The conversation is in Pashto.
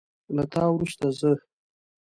له تا وروسته زه